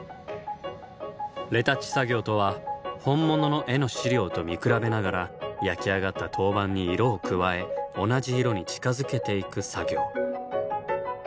レタッチ作業とは本物の絵の資料と見比べながら焼き上がった陶板に色を加え同じ色に近づけていく作業。